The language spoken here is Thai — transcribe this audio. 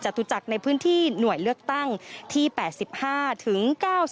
จตุจักรในพื้นที่หน่วยเลือกตั้งที่๘๕ถึง๙๔